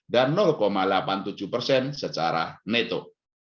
dan delapan puluh tujuh secara neto